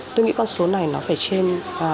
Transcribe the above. tôi nghĩ con số này nó phải trên ba mươi